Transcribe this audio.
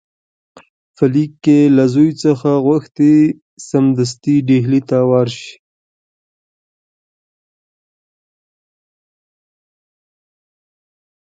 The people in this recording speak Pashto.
په لیک کې له زوی څخه غوښتي سمدستي ډهلي ته ورشي.